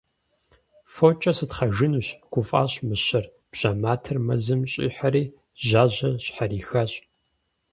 - Фокӏэ сытхъэжынущ! - гуфӏащ мыщэр, бжьэматэр мэзым щӏихьэри, жьажьэр щхьэрихащ.